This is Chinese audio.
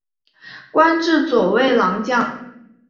官至左卫郎将。